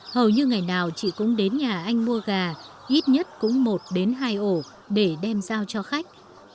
hầu như ngày nào chị cũng đến nhà anh mua gà ít nhất cũng một đến hai ổ để đem giao cho khách